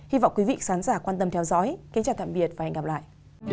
các sản giả quan tâm theo dõi kính chào tạm biệt và hẹn gặp lại